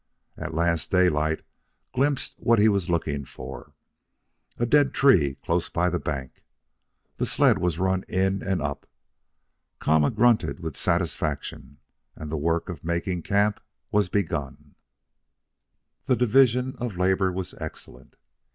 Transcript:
At last Daylight glimpsed what he was looking for, a dead tree close by the bank. The sled was run in and up. Kama grunted with satisfaction, and the work of making camp was begun. The division of labor was excellent.